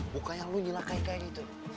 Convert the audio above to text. bukannya lu nyilai kayak gitu